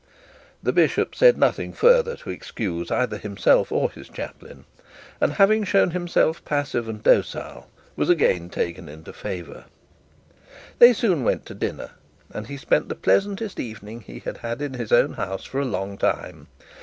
The bishop said nothing further to excuse either himself or his chaplain, and having shown himself passive and docile was again taken into favour. They soon went to dinner, and he spent the pleasantest evening he had had in his own house for a long time.